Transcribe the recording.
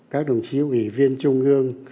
các đồng chí ủy viên trung ương